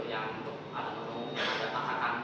yang untuk ada menu ada tata kanan